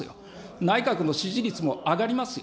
内閣の支持率も上がりますよ。